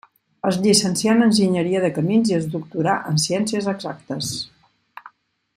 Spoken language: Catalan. Es llicencià en enginyeria de camins i es doctorà en ciències exactes.